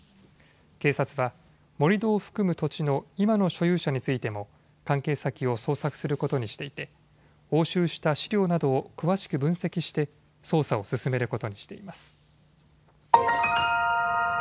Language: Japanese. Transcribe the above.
警察は盛り土を含む土地の今の所有者についても関係先を捜索することにしていて押収した資料などを詳しく分析して捜査を進めることにしています。